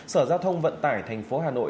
sở giao thông vận tải tp hà nội